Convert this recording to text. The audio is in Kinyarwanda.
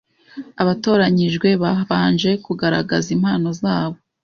Abatoranyijwe babanje kugaragaza impano zabo